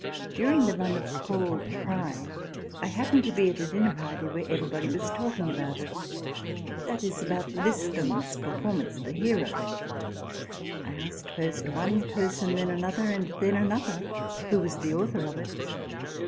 During the run of " Paul Pry," I happened to be at a dinner party where everybody was talking about it, that is, about Listen's performance of the hero. I asked first one person, then another, and then another, who was the author of it